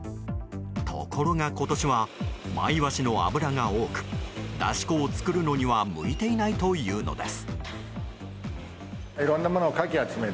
ところが、今年はマイワシの脂が多くだし粉を作るのには向いていないというのです。